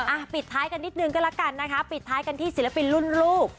ปิดท้ายกันนิดนึงก็แล้วกันนะคะปิดท้ายกันที่ศิลปินรุ่นลูก